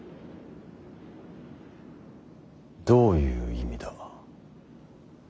どういう意味だ。